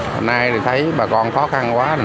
hôm nay thì thấy bà con khó khăn quá